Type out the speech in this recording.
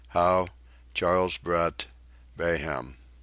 HOWE, CHARLES BRETT, BAYHAM.